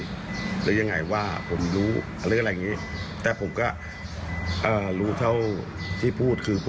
ว่าเสียงหัวจรูปแบบนี้นะเสียงที่ได้ยินวันนั้นเนี่ย